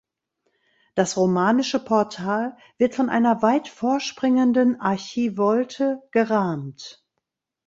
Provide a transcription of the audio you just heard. Das romanische Portal wird von einer weit vorspringenden Archivolte gerahmt.